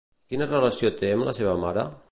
Quina relació té amb la seva mare?